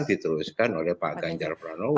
diteruskan oleh pak ganjar pranowo